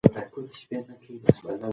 موږ له کلونو راهیسې په دې کلي کې اوسېږو.